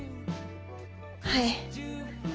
はい。